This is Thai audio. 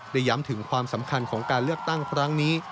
ย้ำถึงความสำคัญของการเลือกตั้งครั้งนี้